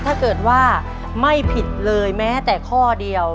ถ้าเกิดว่าไม่ผิดเลยแม้แต่ข้อเดียว